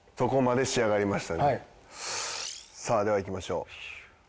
さあではいきましょう。